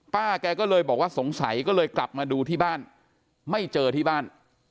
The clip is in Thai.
ป้าแกก็เลยบอกว่าสงสัยก็เลยกลับมาดูที่บ้านไม่เจอที่บ้าน